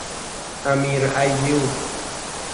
امیرایوب